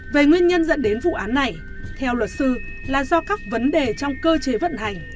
về nguyên nhân dẫn đến vụ án này theo luật sư là do các vấn đề trong cơ chế vận hành